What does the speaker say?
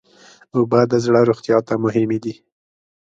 اوبه د زړه روغتیا ته مهمې دي.